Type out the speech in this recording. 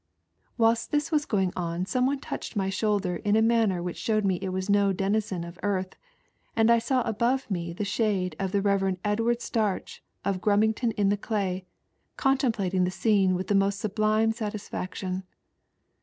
Whilst this was going on some one touched my shoulder in a manner which showed me it was no denizen of earth, and I saw above me the shade of the Rev. Edward Starch of Grubhington in the Clay con templating the scene ynth the most sublime satis faction.